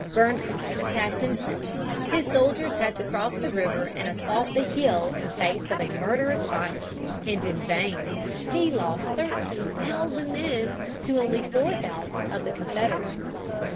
Burnside attacked in front. His soldiers had to cross the river and assault the hill in face of a murderous fire and in vain. He lost thirteen thousand men to only four thousand of the Confederates.